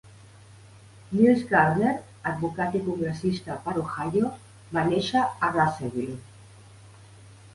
Mills Gardner, advocat i congressista per Ohio, va néixer a Russellville.